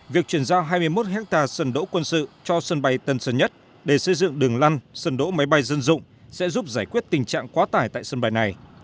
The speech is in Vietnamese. việc chuyển giao hai mươi một hectare sân đỗ quân sự cho sân bay tân sơn nhất để xây dựng đường lăn sân đỗ máy bay dân dụng sẽ giúp giải quyết tình trạng quá tải tại sân bay này